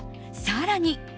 更に。